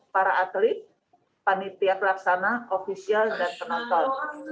para atlet panitia pelaksana ofisial dan penonton